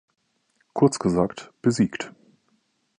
Kurz gesagt, besiegt.